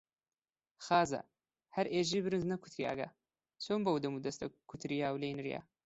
خازە هەر ئێژێ برنج نەکوتریاگە، چۆن بەو دەمودەستە کوتریا و لێ نریا؟